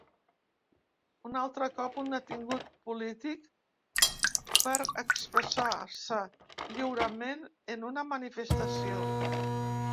Un altre cop un detingut polític per expressar-se lliurament en una manifestació.